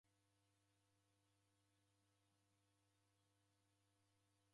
Rwai ridareda malaria